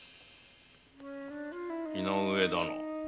井上殿。